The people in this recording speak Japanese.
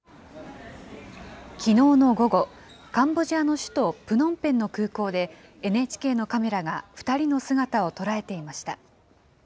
きのうの午後、カンボジアの首都プノンペンの空港で、ＮＨＫのカメラが２人の姿を捉えていました。